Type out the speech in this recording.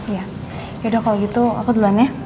iya yaudah kalau gitu aku duluan ya